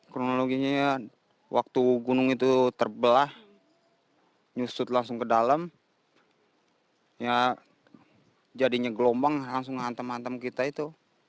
kronologinya ya waktu gunung itu terbelah nyusut langsung ke dalam ya jadinya gelombang langsung ngantem hantam kita itu